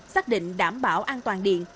xác định đảm bảo an toàn điện